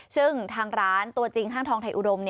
ซึ่งทางร้านตัวจริงห้างทองไทยอุดม